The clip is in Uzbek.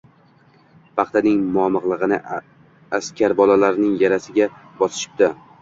Paxtaning momig‘ini askar bolalarning yarasiga bosishibdi.